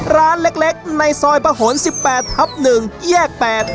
ร้านเล็กในซอยมหลลยี่แห่กแปด